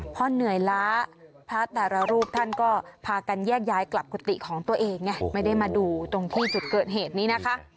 พอเหนื่อยล้าพระแต่ละรูปท่านก็พากันแยกย้ายกลับกุฏิของตัวเองไงไม่ได้มาดูตรงที่จุดเกิดเหตุนี้นะคะ